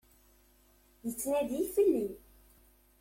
Yettnadi fell-i.